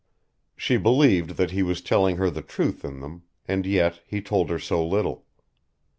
She believed that he was telling her the truth in them, and yet he told her so little.